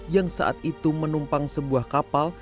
yang saat itu menumpang sebuah kapal